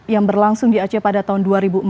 yang berlangsung di aceh pada tahun dua ribu empat